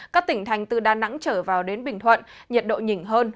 các tỉnh thành từ đà nẵng trở vào đến bình thuận nhiệt độ nhỉnh hơn